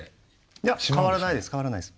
いや変わらないです変わらないです。